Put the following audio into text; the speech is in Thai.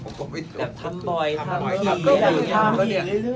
ก็นี่๓ปีแล้วอ่ะ